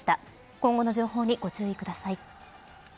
今後の情報にご注意ください。